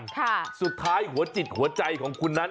ค่ะสุดท้ายหัวจิตหัวใจของคุณนั้น